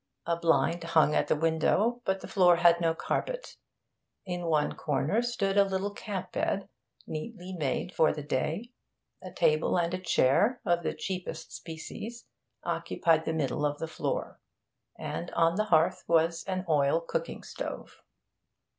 A blind hung at the window, but the floor had no carpet. In one corner stood a little camp bed, neatly made for the day; a table and a chair, of the cheapest species, occupied the middle of the floor, and on the hearth was an oil cooking stove.